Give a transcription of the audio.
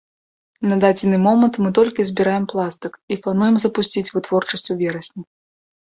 На дадзены момант мы толькі збіраем пластык, і плануем запусціць вытворчасць у верасні.